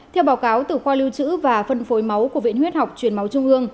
theo báo cáo từ khoa lưu trữ và phân phối máu của viện huyết học truyền máu trung ương